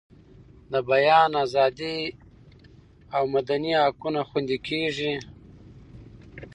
د بیان ازادي او مدني حقونه خوندي کیږي.